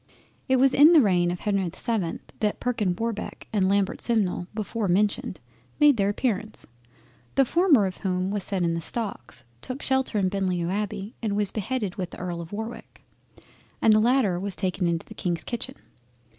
It was in the reign of Henry the 7th that Perkin Warbeck and Lambert Simnel before mentioned made their appearance, the former of whom was set in the stocks, took shelter in Beaulieu Abbey, and was beheaded with the Earl of Warwick, and the latter was taken into the Kings kitchen.